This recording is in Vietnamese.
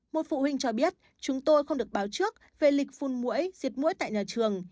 một phụ huynh cho biết chúng tôi không được báo trước về lịch phun mũi diệt mũi tại nhà trường